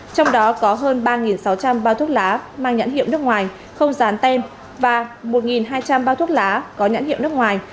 trong đó có hơn ba sáu trăm linh bao thuốc lá mang nhãn hiệu nước ngoài không dán tem và một hai trăm linh bao thuốc lá có nhãn hiệu nước ngoài